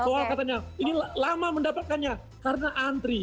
soal katanya ini lama mendapatkannya karena antri